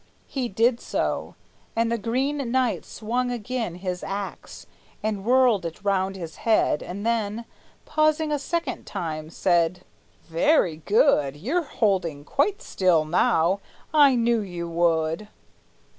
He did so, and the Green Knight swung again His axe, and whirled it round his head, and then, Pausing a second time, said: "Very good! You're holding quite still now; I knew you would!"